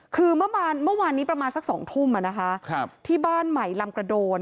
คือเมื่อวานนี้ประมาณสัก๒ทุ่มที่บ้านใหม่ลำกระโดน